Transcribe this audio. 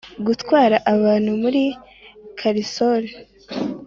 gutwara abantu muri karisoli